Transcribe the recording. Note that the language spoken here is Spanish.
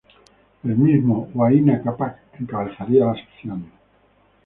El mismo Huayna Capac encabezaría las acciones.